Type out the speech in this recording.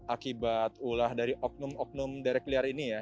akibat ulah dari oknum oknum derek liar ini ya